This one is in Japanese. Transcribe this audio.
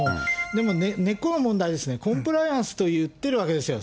でも根っこの問題ですね、コンプライアンスと言ってるわけですよ。